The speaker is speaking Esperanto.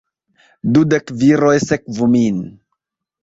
Dudek viroj sekvu min!